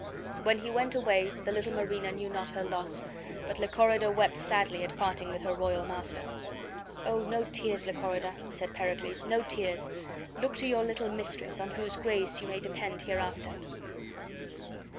When he went away the little Marina knew not her loss, but Lychorida wept sadly at parting with her royal master. "Oh, no tears, Lychorida," said Pericles; "no tears; look to your little mistress, on whose grace you may depend hereafter."